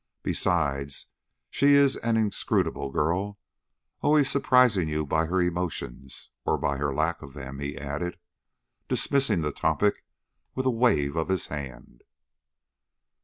"Besides, she is an inscrutable girl, always surprising you by her emotions or by her lack of them," he added, dismissing the topic with a wave of his hand.